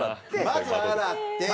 まず洗って。